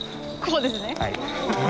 こうですね。